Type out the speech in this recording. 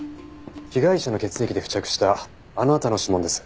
被害者の血液で付着したあなたの指紋です。